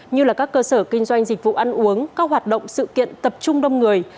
như các cơ sở kinh doanh dịch vụ ăn uống các hoạt động sự kiện tập trung đông người